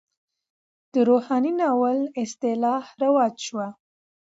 د روحاني ناول اصطلاح رواج شوه.